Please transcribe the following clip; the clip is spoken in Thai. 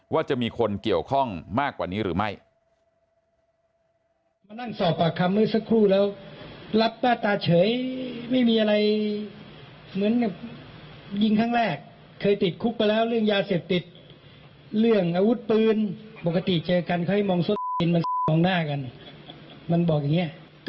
ว่าจะมีคนเกี่ยวข้องมากกว่านี้หรือไม่